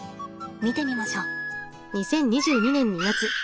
見てみましょう。